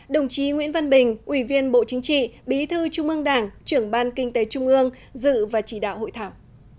đồng chí nguyễn văn bình ủy viên bộ chính trị bí thư trung ương đảng trưởng ban kinh tế trung ương dự và chỉ đạo hội thảo